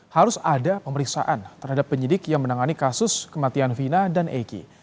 harus ada pemeriksaan terhadap penyidik yang menangani kasus kematian vina dan egy